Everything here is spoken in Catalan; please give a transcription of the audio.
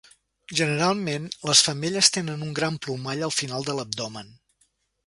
Generalment, les femelles tenen un gran plomall al final de l'abdomen.